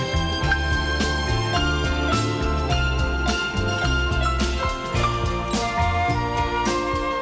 hẹn gặp lại